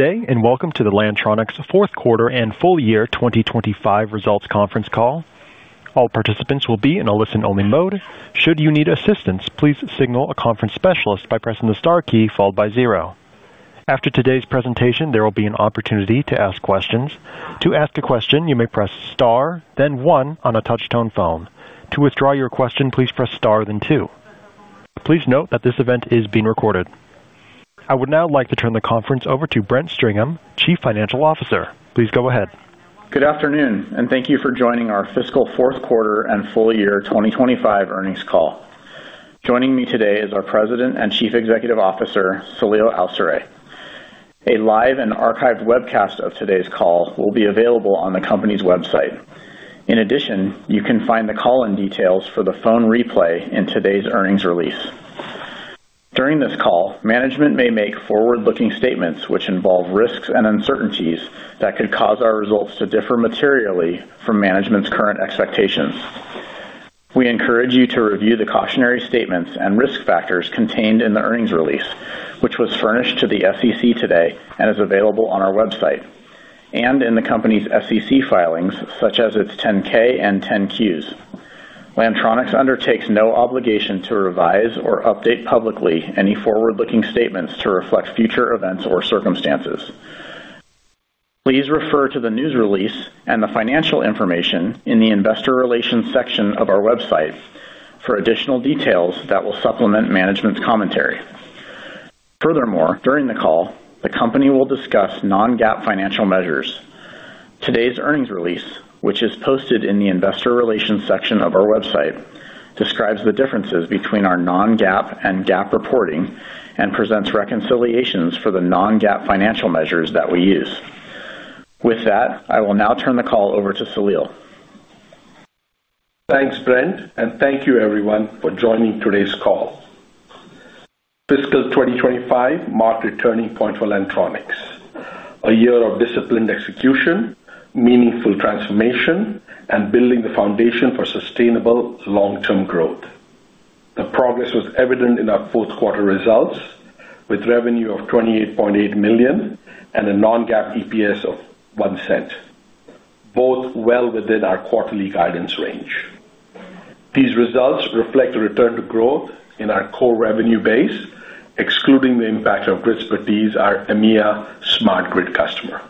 Today, and welcome to the Lantronix Fourth Quarter and Full Year 2025 Results Conference Call. All participants will be in a listen-only mode. Should you need assistance, please signal a conference specialist by pressing the star key followed by zero. After today's presentation, there will be an opportunity to ask questions. To ask a question, you may press star, then one on a touch-tone phone. To withdraw your question, please press star, then two. Please note that this event is being recorded. I would now like to turn the conference over to Brent Stringham, Chief Financial Officer. Please go ahead. Good afternoon, and thank you for joining our Fiscal Fourth Quarter and Full Year 2025 Earnings Call. Joining me today is our President and Chief Executive Officer, Saleel Awsare. A live and archived webcast of today's call will be available on the company's website. In addition, you can find the call-in details for the phone replay in today's earnings release. During this call, management may make forward-looking statements which involve risks and uncertainties that could cause our results to differ materially from management's current expectations. We encourage you to review the cautionary statements and risk factors contained in the earnings release, which was furnished to the SEC today and is available on our website, and in the company's SEC filings, such as its 10-K and 10-Qs. Lantronix undertakes no obligation to revise or update publicly any forward-looking statements to reflect future events or circumstances. Please refer to the news release and the financial information in the Investor Relations section of our website for additional details that will supplement management's commentary. Furthermore, during the call, the company will discuss non-GAAP financial measures. Today's earnings release, which is posted in the Investor Relations section of our website, describes the differences between our non-GAAP and GAAP reporting and presents reconciliations for the non-GAAP financial measures that we use. With that, I will now turn the call over to Saleel. Thanks, Brent, and thank you, everyone, for joining today's call. Fiscal 2025 marked a turning point for Lantronix, a year of disciplined execution, meaningful transformation, and building the foundation for sustainable long-term growth. The progress was evident in our fourth quarter results, with revenue of $28.8 million and a non-GAAP EPS of $0.01, both well within our quarterly guidance range. These results reflect a return to growth in our core revenue base, excluding the impact of Grid Expertise, our EMEA smart grid customer.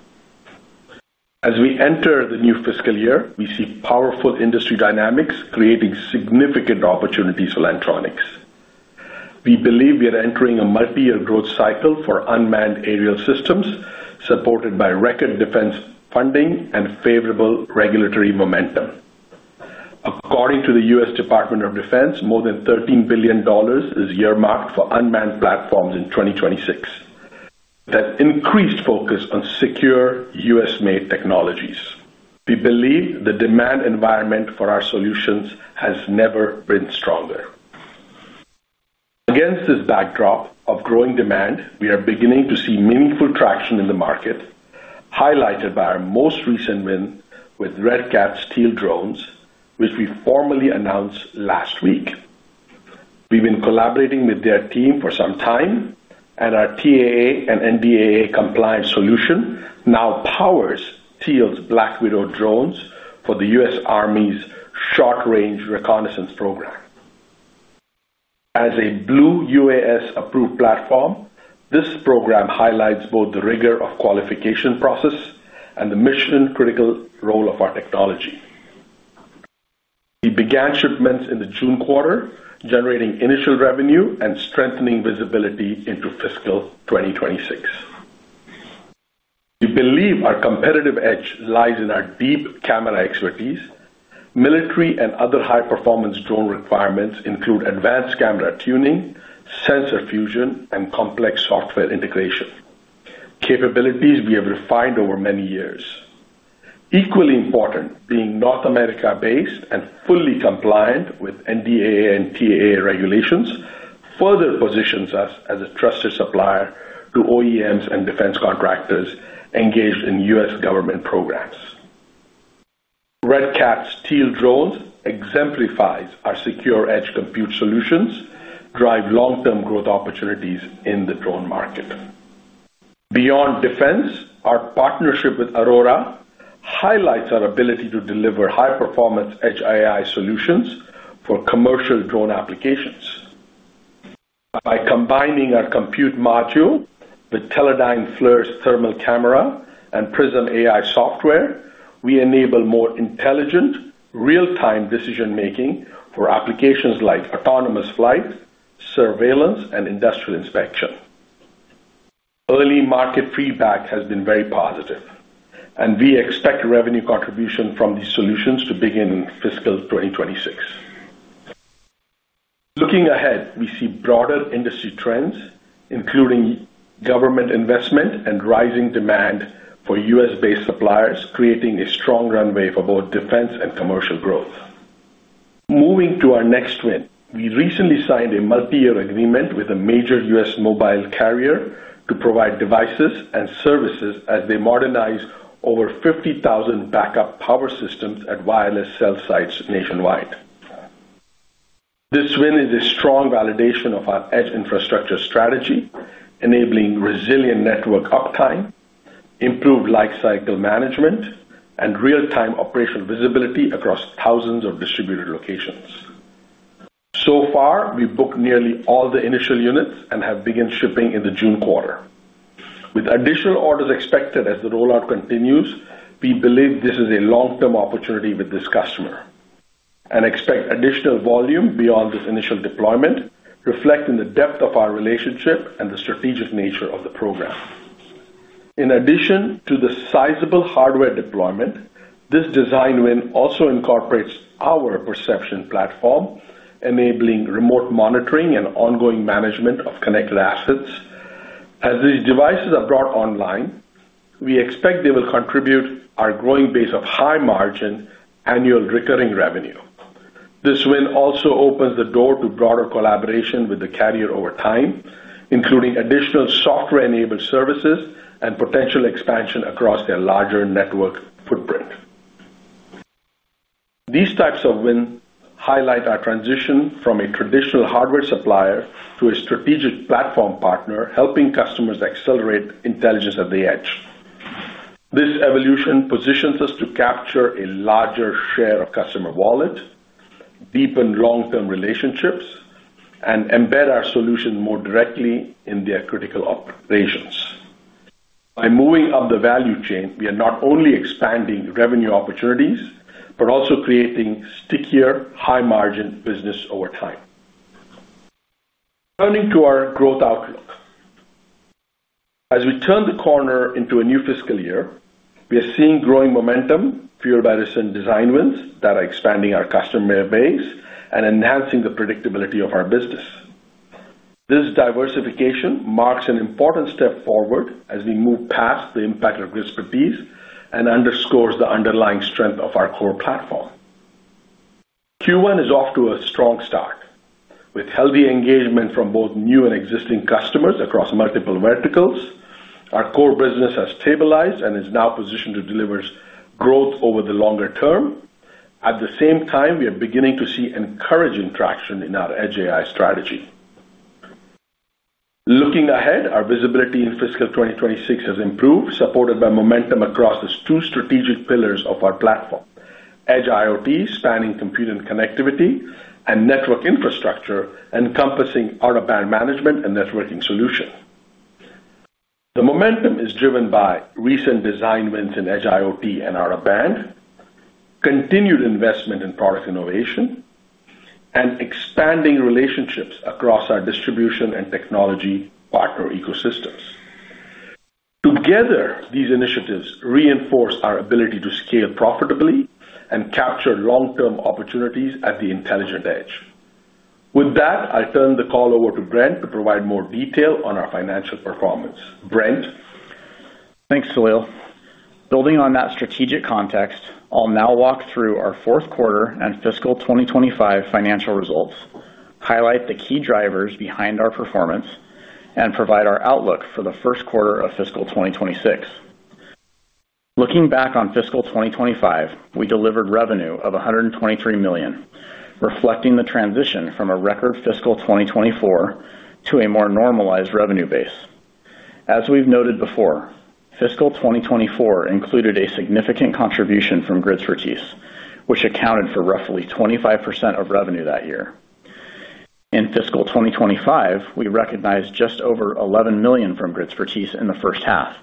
As we enter the new fiscal year, we see powerful industry dynamics creating significant opportunities for Lantronix. We believe we are entering a multi-year growth cycle for unmanned aerial systems, supported by record defense funding and favorable regulatory momentum. According to the U.S. Department of Defense, more than $13 billion is earmarked for unmanned platforms in 2026. That increased focus on secure, U.S.-made technologies. We believe the demand environment for our solutions has never been stronger. Against this backdrop of growing demand, we are beginning to see meaningful traction in the market, highlighted by our most recent win with Red Cat's Teal drones, which we formally announced last week. We've been collaborating with their team for some time, and our TAA and NDAA compliance solution now powers Teal's Black Widow drones for the U.S. Army's short-range reconnaissance program. As a Blue-UAS-approved platform, this program highlights both the rigor of the qualification process and the mission-critical role of our technology. We began shipments in the June quarter, generating initial revenue and strengthening visibility into fiscal 2026. We believe our competitive edge lies in our deep camera expertise. Military and other high-performance drone requirements include advanced camera tuning, sensor fusion, and complex software integration, capabilities we have refined over many years. Equally important, being North America-based and fully compliant with NDAA and TAA regulations further positions us as a trusted supplier to OEMs and defense contractors engaged in U.S. government programs. Red Cat's Teal drones exemplify our secure edge compute solutions, driving long-term growth opportunities in the drone market. Beyond defense, our partnership with Aurora highlights our ability to deliver high-performance edge AI solutions for commercial drone applications. By combining our compute module with Teledyne FLIR's thermal camera and Prism AI software, we enable more intelligent, real-time decision-making for applications like autonomous flight, surveillance, and industrial inspection. Early market feedback has been very positive, and we expect revenue contribution from these solutions to begin in fiscal 2026. Looking ahead, we see broader industry trends, including government investment and rising demand for U.S.-based suppliers, creating a strong runway for both defense and commercial growth. Moving to our next win, we recently signed a multi-year agreement with a major U.S. mobile carrier to provide devices and services as they modernize over 50,000 backup power systems at wireless cell sites nationwide. This win is a strong validation of our edge infrastructure strategy, enabling resilient network uptime, improved lifecycle management, and real-time operational visibility across thousands of distributed locations. We booked nearly all the initial units and have begun shipping in the June quarter. With additional orders expected as the rollout continues, we believe this is a long-term opportunity with this customer and expect additional volume beyond this initial deployment, reflecting the depth of our relationship and the strategic nature of the program. In addition to the sizable hardware deployment, this design win also incorporates our perception platform, enabling remote monitoring and ongoing management of connected assets. As these devices are brought online, we expect they will contribute to our growing base of high-margin annual recurring revenue. This win also opens the door to broader collaboration with the carrier over time, including additional software-enabled services and potential expansion across their larger network footprint. These types of wins highlight our transition from a traditional hardware supplier to a strategic platform partner, helping customers accelerate intelligence at the edge. This evolution positions us to capture a larger share of customer wallets, deepen long-term relationships, and embed our solutions more directly in their critical operations. By moving up the value chain, we are not only expanding revenue opportunities but also creating stickier, high-margin business over time. Turning to our growth outlook, as we turn the corner into a new fiscal year, we are seeing growing momentum fueled by recent design wins that are expanding our customer base and enhancing the predictability of our business. This diversification marks an important step forward as we move past the impact of Grid Expertise and underscores the underlying strength of our core platform. Q1 is off to a strong start, with healthy engagement from both new and existing customers across multiple verticals. Our core business has stabilized and is now positioned to deliver growth over the longer term. At the same time, we are beginning to see encouraging traction in our edge AI strategy. Looking ahead, our visibility in fiscal 2026 has improved, supported by momentum across the two strategic pillars of our platform: edge IoT, spanning compute and connectivity, and network infrastructure, encompassing out-of-band management and networking solutions. The momentum is driven by recent design wins in edge IoT and out-of-band, continued investment in product innovation, and expanding relationships across our distribution and technology partner ecosystems. Together, these initiatives reinforce our ability to scale profitably and capture long-term opportunities at the intelligent edge. With that, I'll turn the call over to Brent to provide more detail on our financial performance. Brent? Thanks, Saleel. Building on that strategic context, I'll now walk through our fourth quarter and fiscal 2025 financial results, highlight the key drivers behind our performance, and provide our outlook for the first quarter of fiscal 2026. Looking back on fiscal 2025, we delivered revenue of $123 million, reflecting the transition from a record fiscal 2024 to a more normalized revenue base. As we've noted before, fiscal 2024 included a significant contribution from Grid Expertise, which accounted for roughly 25% of revenue that year. In fiscal 2025, we recognized just over $11 million from Grid Expertise in the first half,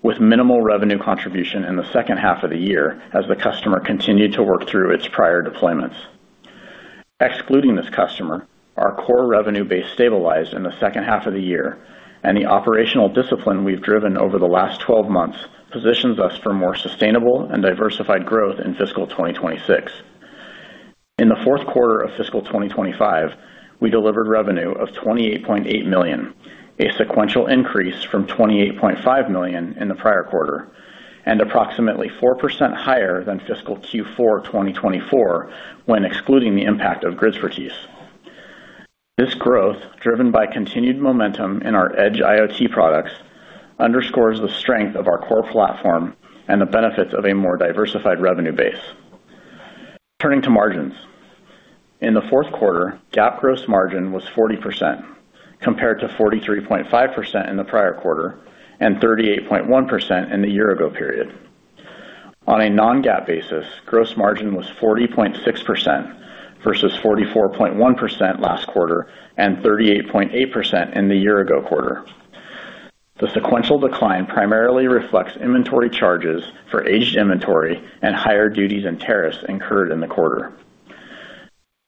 with minimal revenue contribution in the second half of the year as the customer continued to work through its prior deployments. Excluding this customer, our core revenue base stabilized in the second half of the year, and the operational discipline we've driven over the last 12 months positions us for more sustainable and diversified growth in fiscal 2026. In the fourth quarter of fiscal 2025, we delivered revenue of $28.8 million, a sequential increase from $28.5 million in the prior quarter, and approximately 4% higher than fiscal Q4 2024 when excluding the impact of Grid Expertise. This growth, driven by continued momentum in our edge IoT products, underscores the strength of our core platform and the benefits of a more diversified revenue base. Turning to margins, in the fourth quarter, GAAP gross margin was 40%, compared to 43.5% in the prior quarter and 38.1% in the year-ago period. On a non-GAAP basis, gross margin was 40.6% versus 44.1% last quarter and 38.8% in the year-ago quarter. The sequential decline primarily reflects inventory charges for aged inventory and higher duties and tariffs incurred in the quarter.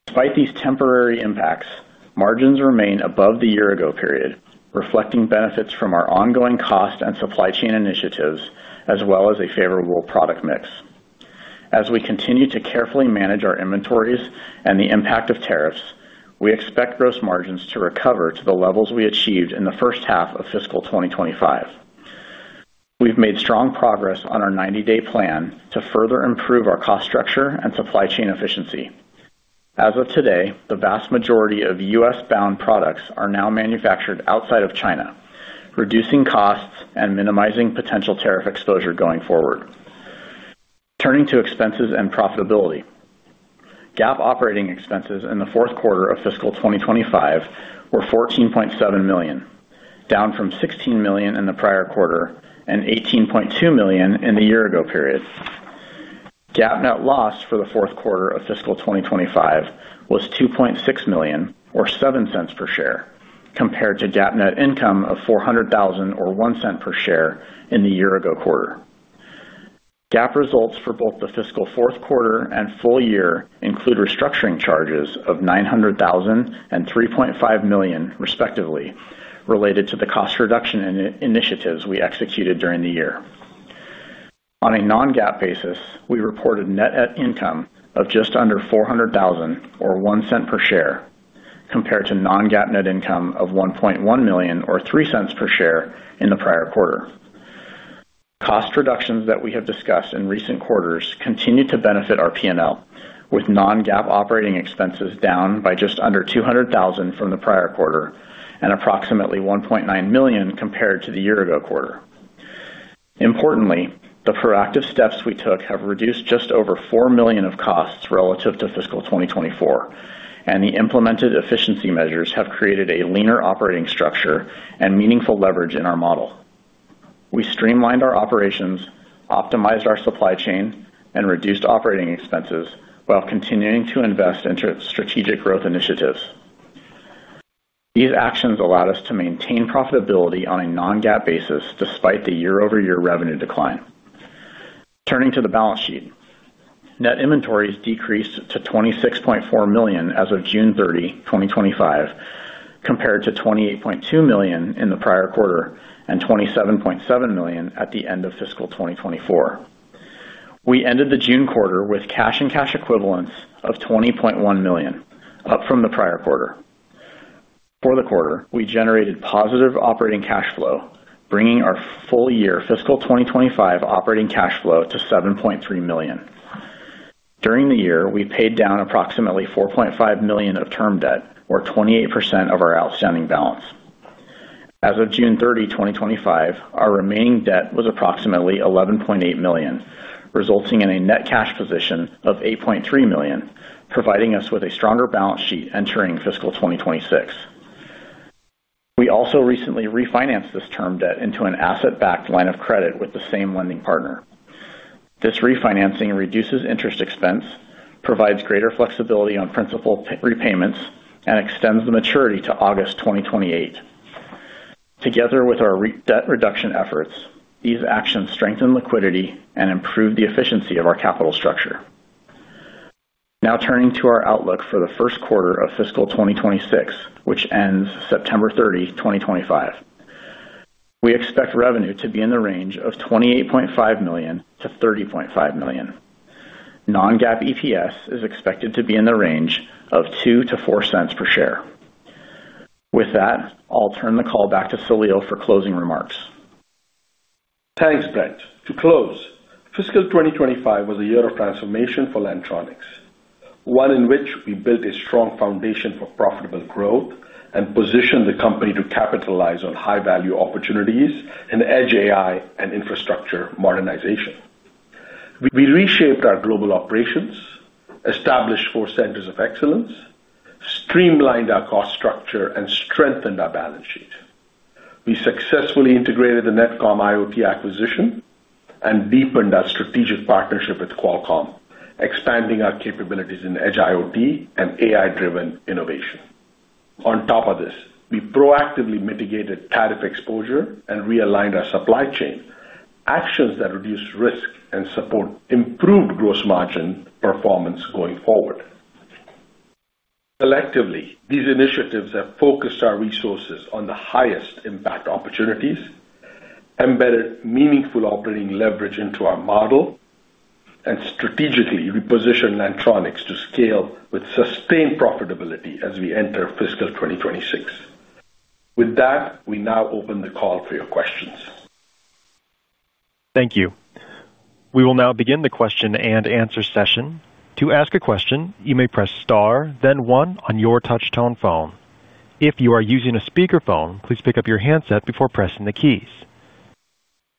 Despite these temporary impacts, margins remain above the year-ago period, reflecting benefits from our ongoing cost and supply chain initiatives, as well as a favorable product mix. As we continue to carefully manage our inventories and the impact of tariffs, we expect gross margins to recover to the levels we achieved in the first half of fiscal 2025. We've made strong progress on our 90-day plan to further improve our cost structure and supply chain efficiency. As of today, the vast majority of U.S.-bound products are now manufactured outside of China, reducing costs and minimizing potential tariff exposure going forward. Turning to expenses and profitability, GAAP operating expenses in the fourth quarter of fiscal 2025 were $14.7 million, down from $16 million in the prior quarter and $18.2 million in the year-ago period. GAAP net loss for the fourth quarter of fiscal 2025 was $2.6 million or $0.07 per share, compared to GAAP net income of $400,000 or $0.01 per share in the year-ago quarter. GAAP results for both the fiscal fourth quarter and full year include restructuring charges of $900,000 and $3.5 million, respectively, related to the cost reduction initiatives we executed during the year. On a non-GAAP basis, we reported net income of just under $400,000 or $0.01 per share, compared to non-GAAP net income of $1.1 million or $0.03 per share in the prior quarter. Cost reductions that we have discussed in recent quarters continue to benefit our P&L, with non-GAAP operating expenses down by just under $200,000 from the prior quarter and approximately $1.9 million compared to the year-ago quarter. Importantly, the proactive steps we took have reduced just over $4 million of costs relative to fiscal 2024, and the implemented efficiency measures have created a leaner operating structure and meaningful leverage in our model. We streamlined our operations, optimized our supply chain, and reduced operating expenses while continuing to invest in strategic growth initiatives. These actions allowed us to maintain profitability on a non-GAAP basis despite the year-over-year revenue decline. Turning to the balance sheet, net inventories decreased to $26.4 million as of June 30, 2025, compared to $28.2 million in the prior quarter and $27.7 million at the end of fiscal 2024. We ended the June quarter with cash and cash equivalents of $20.1 million, up from the prior quarter. For the quarter, we generated positive operating cash flow, bringing our full year, fiscal 2025 operating cash flow to $7.3 million. During the year, we paid down approximately $4.5 million of term debt, or 28% of our outstanding balance. As of June 30, 2025, our remaining debt was approximately $11.8 million, resulting in a net cash position of $8.3 million, providing us with a stronger balance sheet entering fiscal 2026. We also recently refinanced this term debt into an asset-backed line of credit with the same lending partner. This refinancing reduces interest expense, provides greater flexibility on principal repayments, and extends the maturity to August 2028. Together with our debt reduction efforts, these actions strengthen liquidity and improve the efficiency of our capital structure. Now turning to our outlook for the first quarter of fiscal 2026, which ends September 30, 2025, we expect revenue to be in the range of $28.5 million-$30.5 million. Non-GAAP EPS is expected to be in the range of $0.02-$0.04 per share. With that, I'll turn the call back to Saleel for closing remarks. Thanks, Brent. To close, fiscal 2025 was a year of transformation for Lantronix, one in which we built a strong foundation for profitable growth and positioned the company to capitalize on high-value opportunities in edge AI and infrastructure modernization. We reshaped our global operations, established four centers of excellence, streamlined our cost structure, and strengthened our balance sheet. We successfully integrated the NetComm IoT acquisition and deepened our strategic partnership with Qualcomm, expanding our capabilities in edge IoT and AI-driven innovation. On top of this, we proactively mitigated tariff exposure and realigned our supply chain, actions that reduce risk and support improved gross margin performance going forward. Collectively, these initiatives have focused our resources on the highest impact opportunities, embedded meaningful operating leverage into our model, and strategically repositioned Lantronix to scale with sustained profitability as we enter fiscal 2026. With that, we now open the call for your questions. Thank you. We will now begin the question-and-answer session. To ask a question, you may press star, then one on your touch-tone phone. If you are using a speaker phone, please pick up your handset before pressing the keys.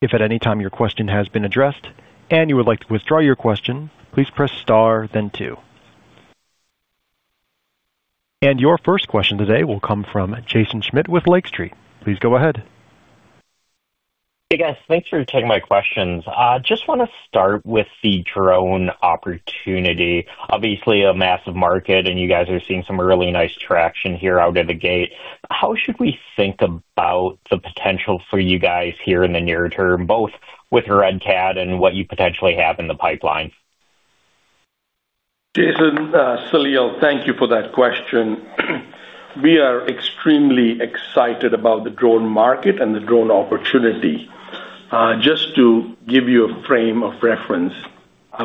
If at any time your question has been addressed and you would like to withdraw your question, please press star, then two. Your first question today will come from Jaeson Schmidt with Lake Street. Please go ahead. Hey, guys, thanks for taking my questions. I just want to start with the drone opportunity. Obviously, a massive market, and you guys are seeing some really nice traction here out of the gate. How should we think about the potential for you guys here in the near term, both with Red Cat and what you potentially have in the pipeline? Jason, Saleel, thank you for that question. We are extremely excited about the drone market and the drone opportunity. Just to give you a frame of reference,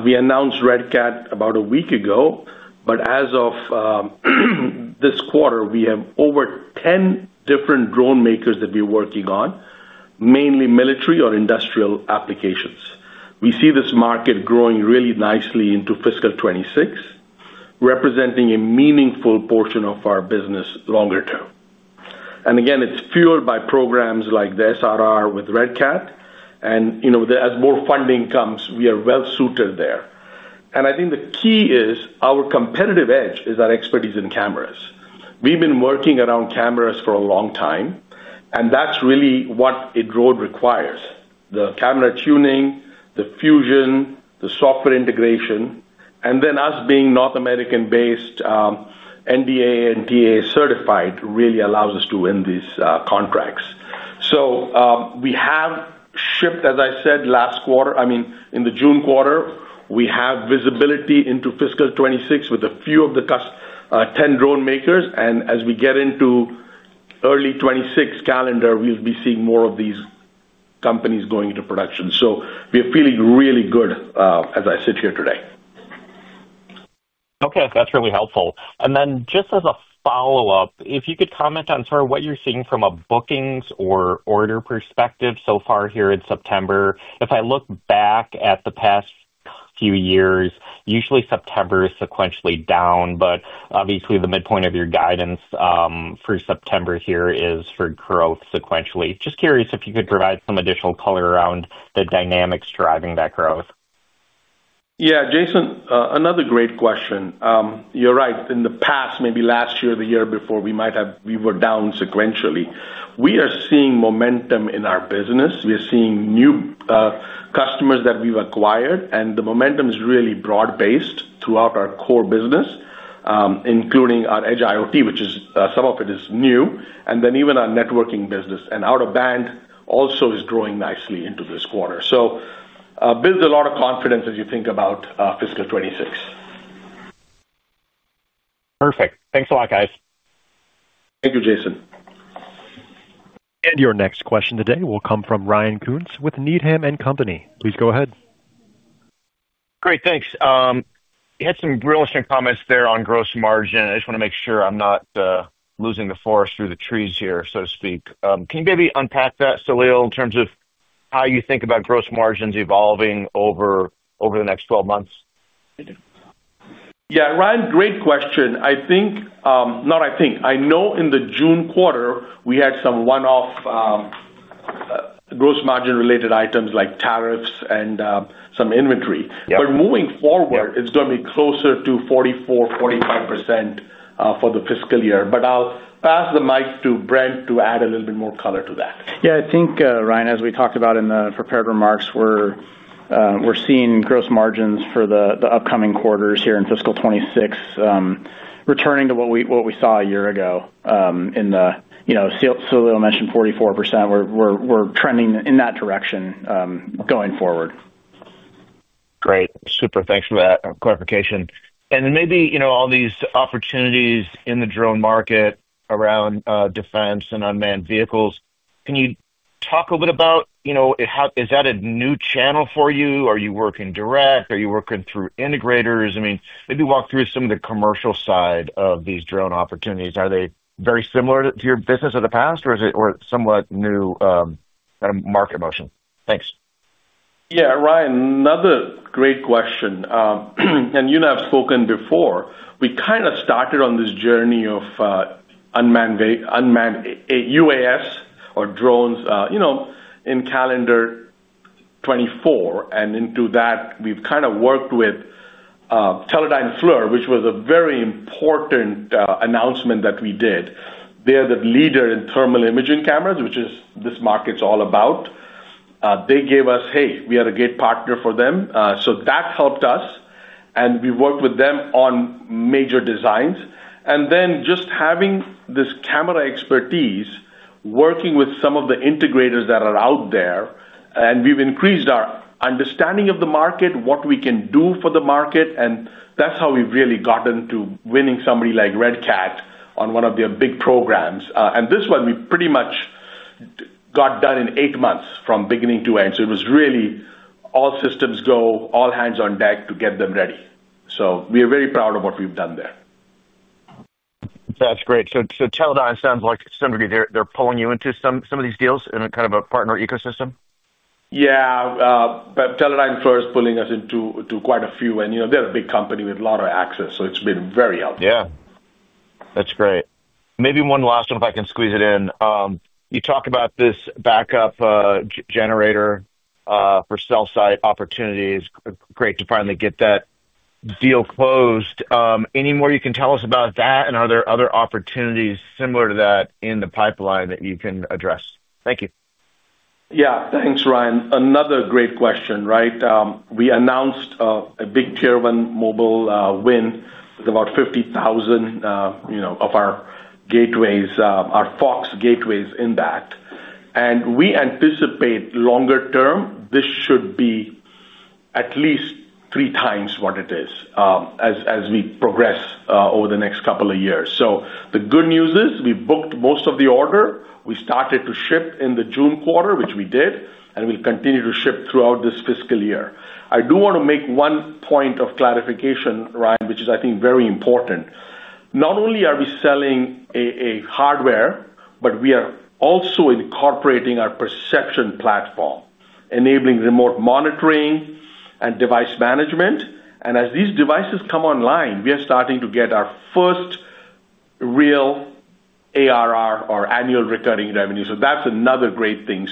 we announced Red Cat about a week ago, but as of this quarter, we have over 10 different drone makers that we're working on, mainly military or industrial applications. We see this market growing really nicely into fiscal 2026, representing a meaningful portion of our business longer term. It's fueled by programs like the short-range reconnaissance program with Red Cat, and as more funding comes, we are well-suited there. I think the key is our competitive edge is our expertise in cameras. We've been working around cameras for a long time, and that's really what a drone requires. The camera tuning, the fusion, the software integration, and then us being North American-based, NDAA/TAA certified really allows us to win these contracts. We have shipped, as I said, last quarter, I mean, in the June quarter, we have visibility into fiscal 2026 with a few of the top 10 drone makers, and as we get into early 2026 calendar, we'll be seeing more of these companies going into production. We are feeling really good as I sit here today. Okay, that's really helpful. Just as a follow-up, if you could comment on sort of what you're seeing from a bookings or order perspective so far here in September. If I look back at the past few years, usually September is sequentially down, but obviously the midpoint of your guidance for September here is for growth sequentially. Just curious if you could provide some additional color around the dynamics driving that growth. Yeah, Jaeson, another great question. You're right, in the past, maybe last year, the year before, we were down sequentially. We are seeing momentum in our business. We are seeing new customers that we've acquired, and the momentum is really broad-based throughout our core business, including our edge IoT, which is some of it is new, and then even our networking business. Out-of-band also is growing nicely into this quarter. It builds a lot of confidence as you think about fiscal 2026. Perfect. Thanks a lot, guys. Thank you, Jaeson. Your next question today will come from Ryan Koontz with Needham & Company. Please go ahead. Great, thanks. You had some real interesting comments there on gross margin. I just want to make sure I'm not losing the forest through the trees here, so to speak. Can you maybe unpack that, Saleel, in terms of how you think about gross margins evolving over the next 12 months? Yeah, Ryan, great question. I know in the June quarter we had some one-off gross margin-related items like tariffs and some inventory. Moving forward, it's going to be closer to 44%, 45% for the fiscal year. I'll pass the mic to Brent to add a little bit more color to that. Yeah, I think Ryan, as we talked about in the prepared remarks, we're seeing gross margins for the upcoming quarters here in fiscal 2026, returning to what we saw a year ago. Saleel mentioned 44%. We're trending in that direction going forward. Great, super, thanks for that clarification. Maybe, you know, all these opportunities in the drone market around defense and unmanned vehicles, can you talk a little bit about, you know, is that a new channel for you? Are you working direct? Are you working through integrators? I mean, maybe walk through some of the commercial side of these drone opportunities. Are they very similar to your business of the past or is it somewhat new kind of market motion? Thanks. Yeah, Ryan, another great question. You and I have spoken before, we kind of started on this journey of unmanned UAS or drones, you know, in calendar 2024. Into that, we've kind of worked with Teledyne FLIR, which was a very important announcement that we did. They're the leader in thermal imaging cameras, which is what this market's all about. They gave us, hey, we are a great partner for them. That helped us. We worked with them on major designs, and just having this camera expertise, working with some of the integrators that are out there, we've increased our understanding of the market, what we can do for the market. That's how we've really gotten to winning somebody like Red Cat on one of their big programs. This one, we pretty much got done in eight months from beginning to end. It was really all systems go, all hands on deck to get them ready. We are very proud of what we've done there. That's great. Teledyne sounds like to some degree they're pulling you into some of these deals in a kind of a partner ecosystem? Yeah, Teledyne FLIR is pulling us into quite a few. You know, they're a big company with a lot of access. It's been very helpful. Yeah, that's great. Maybe one last one, if I can squeeze it in. You talked about this backup generator for cell site opportunities. Great to finally get that deal closed. Any more you can tell us about that? Are there other opportunities similar to that in the pipeline that you can address? Thank you. Yeah, thanks, Ryan. Another great question, right? We announced a big Tier 1 mobile win with about 50,000, you know, of our gateways, our FOX gateways in that. We anticipate longer term, this should be at least three times what it is as we progress over the next couple of years. The good news is we booked most of the order. We started to ship in the June quarter, which we did, and we'll continue to ship throughout this fiscal year. I do want to make one point of clarification, Ryan, which is, I think, very important. Not only are we selling hardware, but we are also incorporating our Perception platform, enabling remote monitoring and device management. As these devices come online, we are starting to get our first real ARR or annual recurring revenue. That's another great thing.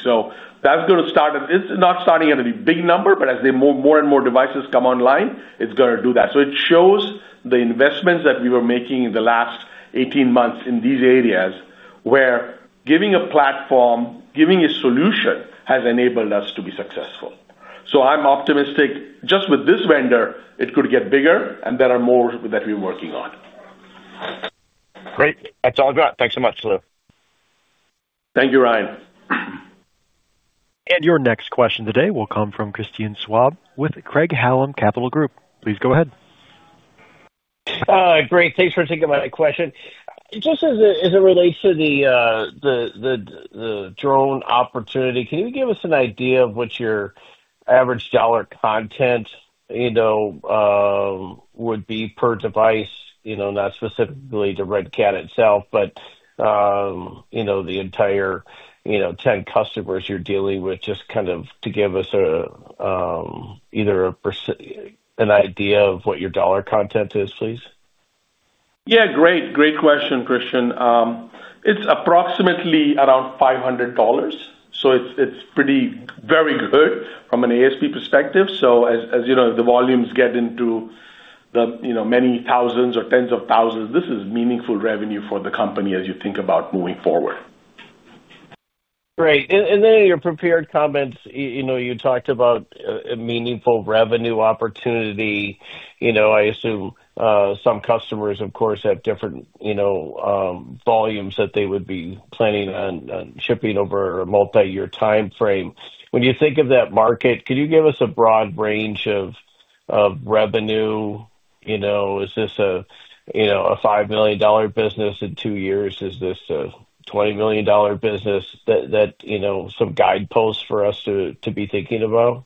That's going to start, and it's not starting at a big number, but as more and more devices come online, it's going to do that. It shows the investments that we were making in the last 18 months in these areas where giving a platform, giving a solution has enabled us to be successful. I'm optimistic just with this vendor, it could get bigger, and there are more that we're working on. Great. That's all I've got. Thanks so much, Saleel. Thank you, Ryan. Your next question today will come from Christian Schwab with Craig Hallum Capital Group. Please go ahead. Great, thanks for taking my question. As it relates to the drone opportunity, can you give us an idea of what your average dollar content would be per device, not specifically to Red Cat itself, but the entire 10 customers you're dealing with, just to give us either an idea of what your dollar content is, please. Yeah, great, great question, Christian. It's approximately around $500. It's pretty very good from an ASP perspective. As you know, the volumes get into the many thousands or tens of thousands, this is meaningful revenue for the company as you think about moving forward. Great. In your prepared comments, you talked about a meaningful revenue opportunity. I assume some customers, of course, have different volumes that they would be planning on shipping over a multi-year timeframe. When you think of that market, could you give us a broad range of revenue? Is this a $5 million business in two years? Is this a $20 million business, some guideposts for us to be thinking about?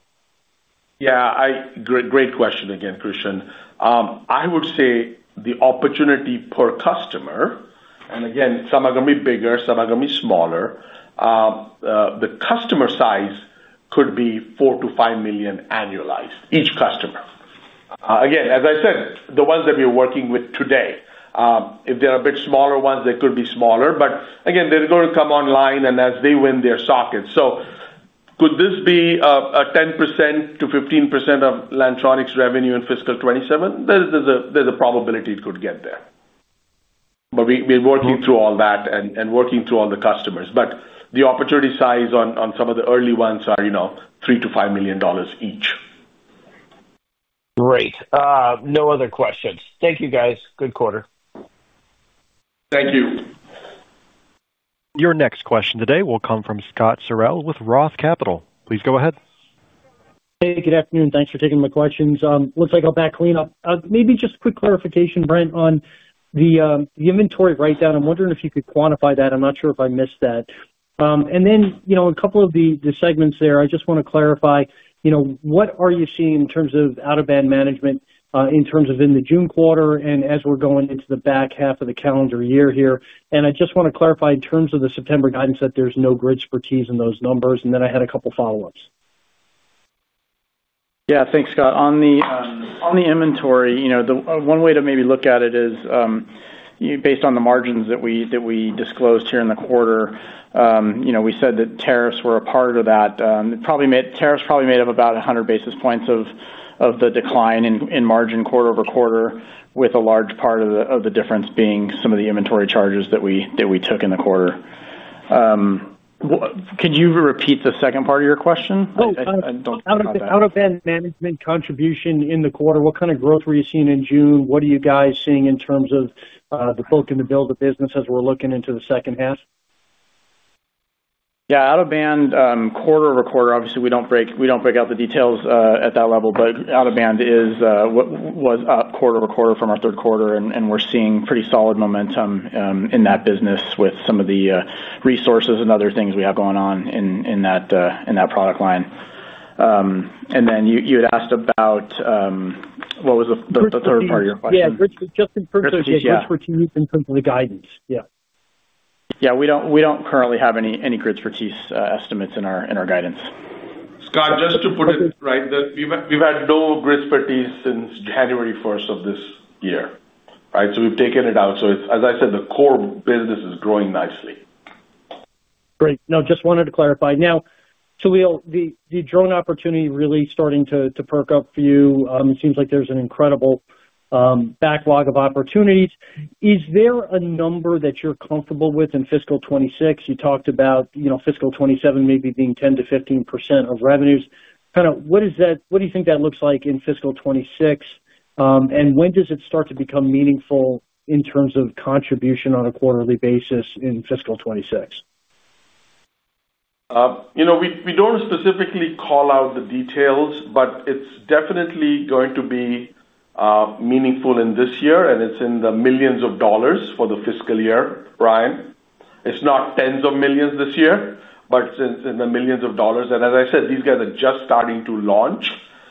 Yeah, great question again, Christian. I would say the opportunity per customer, and again, some are going to be bigger, some are going to be smaller. The customer size could be $4 million-$5 million annualized, each customer. Again, as I said, the ones that we're working with today, if they're a bit smaller ones, they could be smaller. They're going to come online as they win their sockets. Could this be a 10%-15% of Lantronix revenue in fiscal 2027? There's a probability it could get there. We're working through all that and working through all the customers. The opportunity size on some of the early ones are, you know, $3 million-$5 million each. Great. No other questions. Thank you, guys. Good quarter. Thank you. Your next question today will come from Scott Searle with Roth Capital. Please go ahead. Hey, good afternoon. Thanks for taking my questions. Looks like I'll back clean. Maybe just a quick clarification, Brent, on the inventory write-down. I'm wondering if you could quantify that. I'm not sure if I missed that. A couple of the segments there, I just want to clarify, what are you seeing in terms of out-of-band management in the June quarter and as we're going into the back half of the calendar year here? I just want to clarify in terms of the September guidance that there's no Grid Expertise in those numbers. I had a couple of follow-ups. Yeah, thanks, Scott. On the inventory, one way to maybe look at it is based on the margins that we disclosed here in the quarter. We said that tariffs were a part of that. Tariffs probably made up about 100 basis points of the decline in margin quarter over quarter, with a large part of the difference being some of the inventory charges that we took in the quarter. Can you repeat the second part of your question? Out-of-band management contribution in the quarter, what kind of growth were you seeing in June? What are you guys seeing in terms of the bulk in the bill of the business as we're looking into the second half? Yeah, out-of-band quarter over quarter, obviously we don't break out the details at that level. Out-of-band is what was up quarter over quarter from our third quarter, and we're seeing pretty solid momentum in that business with some of the resources and other things we have going on in that product line. You had asked about, what was the third part of your question? Yeah, just in terms of the expertise, in terms of the guidance. Yeah, we don't currently have any Grid Expertise estimates in our guidance. Scott, just to put it right, we've had no Grid Expertise since January 1, 2024. Right, we've taken it out. As I said, the core business is growing nicely. Great. No, just wanted to clarify. Now, Saleel, the drone opportunity really starting to perk up for you. It seems like there's an incredible backlog of opportunities. Is there a number that you're comfortable with in fiscal 2026? You talked about, you know, fiscal 2027 maybe being 10%-15% of revenues. Kind of what do you think that looks like in fiscal 2026? When does it start to become meaningful in terms of contribution on a quarterly basis in fiscal 2026? You know, we don't specifically call out the details, but it's definitely going to be meaningful in this year, and it's in the millions of dollars for the fiscal year, Brian. It's not tens of millions this year, but it's in the millions of dollars. As I said, these guys are just starting to launch,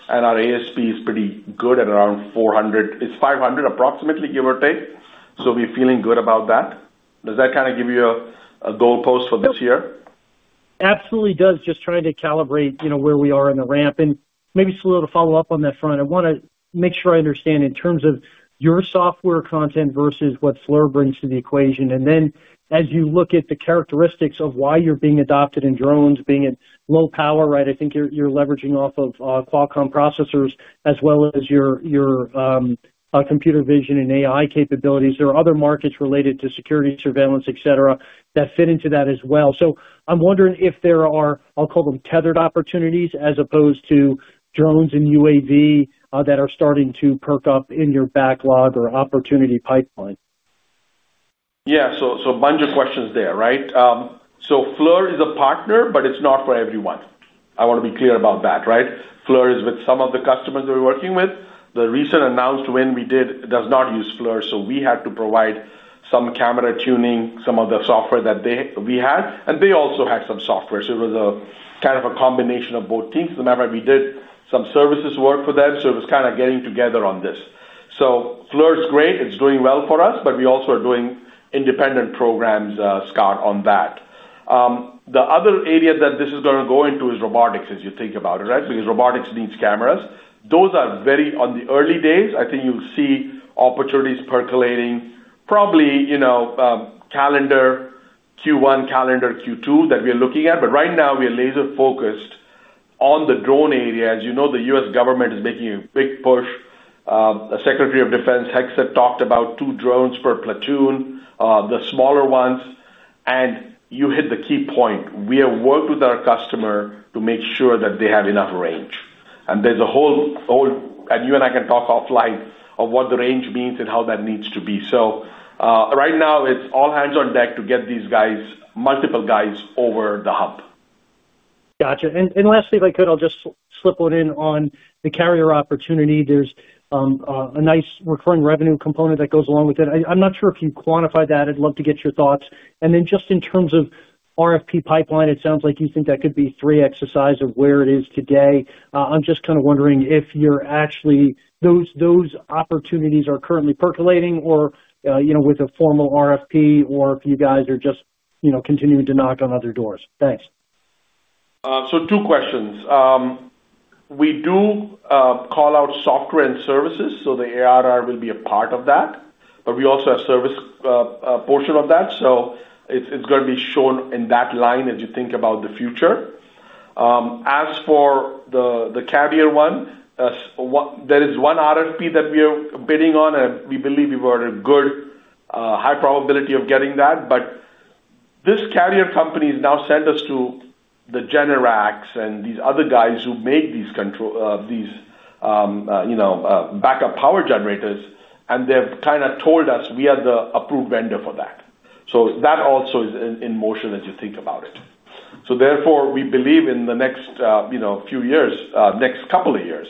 and our ASP is pretty good at around $400. It's $500, approximately, give or take. We're feeling good about that. Does that kind of give you a goalpost for this year? Absolutely does, just trying to calibrate where we are in the ramp. Maybe, Saleel, to follow up on that front, I want to make sure I understand in terms of your software content versus what FLIR brings to the equation. As you look at the characteristics of why you're being adopted in drones, being at low power, right? I think you're leveraging off of Qualcomm processors as well as your computer vision and AI capabilities. There are other markets related to security, surveillance, etc. that fit into that as well. I'm wondering if there are, I'll call them tethered opportunities as opposed to drones and UAS that are starting to perk up in your backlog or opportunity pipeline. Yeah, so a bunch of questions there, right? FLIR is a partner, but it's not for everyone. I want to be clear about that, right? FLIR is with some of the customers we're working with. The recent announced win we did does not use FLIR, so we had to provide some camera tuning, some of the software that we had, and they also had some software. It was a kind of a combination of both teams. As a matter of fact, we did some services work for them, so it was kind of getting together on this. FLIR is great. It's doing well for us, but we also are doing independent programs, Scott, on that. The other area that this is going to go into is robotics as you think about it, right? Because robotics needs cameras. Those are very on the early days. I think you'll see opportunities percolating, probably, you know, calendar Q1, calendar Q2 that we're looking at. Right now, we are laser-focused on the drone area. As you know, the U.S. government is making a big push. A Secretary of Defense Hegseth talked about two drones per platoon, the smaller ones. You hit the key point. We have worked with our customer to make sure that they have enough range. There's a whole, and you and I can talk offline of what the range means and how that needs to be. Right now, it's all hands on deck to get these guys, multiple guys over the hub. Gotcha. Lastly, if I could, I'll just slip one in on the carrier opportunity. There's a nice recurring revenue component that goes along with it. I'm not sure if you quantify that. I'd love to get your thoughts. In terms of RFP pipeline, it sounds like you think that could be 3x the size of where it is today. I'm just kind of wondering if those opportunities are currently percolating or, you know, with a formal RFP or if you guys are just continuing to knock on other doors. Thanks. Two questions. We do call out software and services, so the ARR will be a part of that. We also have a service portion of that, so it's going to be shown in that line as you think about the future. As for the carrier one, there is one RFP that we are bidding on. We believe we are at a good, high probability of getting that. This carrier company has now sent us to Generac and these other guys who make these backup power generators, and they've kind of told us we are the approved vendor for that. That also is in motion as you think about it. Therefore, we believe in the next few years, next couple of years,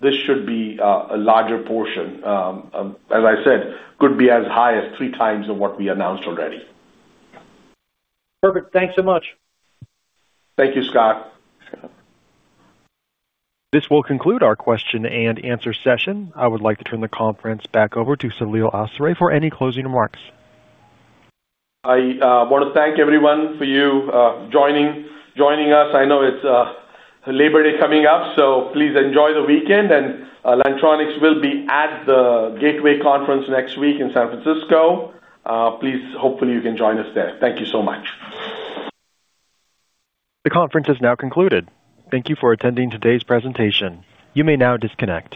this should be a larger portion. As I said, could be as high as 3x what we announced already. Perfect. Thanks so much. Thank you, Scott. This will conclude our question-and-answer session. I would like to turn the conference back over to Saleel Awsare for any closing remarks. I want to thank everyone for joining us. I know it's Labor Day coming up, so please enjoy the weekend. Lantronix will be at the Gateway Conference next week in San Francisco. Hopefully, you can join us there. Thank you so much. The conference has now concluded. Thank you for attending today's presentation. You may now disconnect.